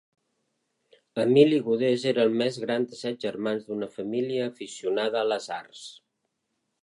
Emili Godes era el més gran de set germans d'una família aficionada a les arts.